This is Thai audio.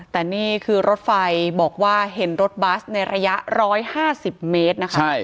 แต่นี่คือรถไฟบอกว่าเห็นรถบัสในระยะ๑๕๐เมตรนะคะ